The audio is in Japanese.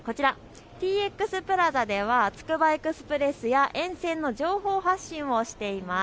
ＴＸプラザではつくばエクスプレスや沿線の情報発信をしています。